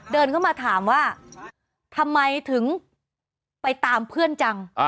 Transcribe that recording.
เดินเข้ามาถามว่าทำไมถึงไปตามเพื่อนจัง